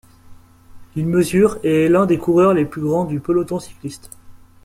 Il mesure et est l'un des coureurs les plus grands du peloton cycliste.